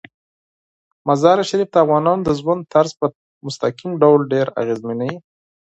مزارشریف د افغانانو د ژوند طرز په مستقیم ډول ډیر اغېزمنوي.